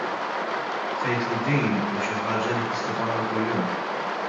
Tgħid li din hi xi ħaġa li tista' tagħmel kuljum.